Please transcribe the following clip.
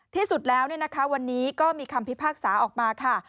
ที่สุดแล้ววันนี้ก็มีคำพิพากษาออกมาค่ะ